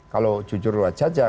kalau jujur lah jajah